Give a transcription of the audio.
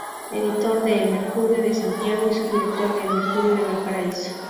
Editor de "El Mercurio" de Santiago y subdirector de "El Mercurio de Valparaíso".